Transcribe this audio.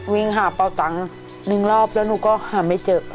วิ่งหาเป่าตังค์หนึ่งรอบแล้วหนูก็หาไม่เจอ